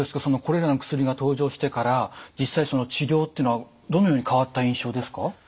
そのこれらの薬が登場してから実際その治療っていうのはどのように変わった印象ですか？